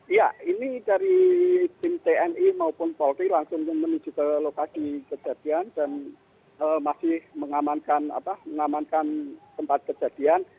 iya ini dari tim tni maupun polri langsung menuju ke lokasi kejadian dan masih mengamankan tempat kejadian